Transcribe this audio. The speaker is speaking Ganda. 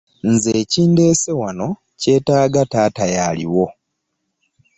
Nze ekindeese wano kye taaga taata yaliwo.